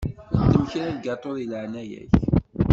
Ddem kra n lgaṭu deg leεnaya-k.